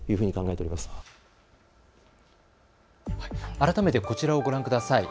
改めてこちらをご覧ください。